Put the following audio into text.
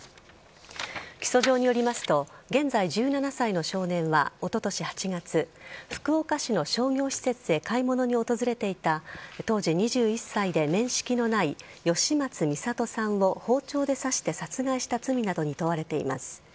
起訴状によりますと現在１７歳の少年はおととし８月福岡市の商業施設へ買い物に訪れていた当時２１歳で面識のない吉松弥里さんを包丁で刺して殺害した罪などに問われています。